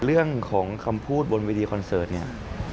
เรื่องของคำพูดบนวิธีคอนเสิร์ตเนี่ย